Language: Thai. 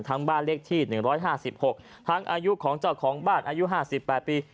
บ้านเลขที่๑๕๖ทั้งอายุของเจ้าของบ้านอายุ๕๘ปี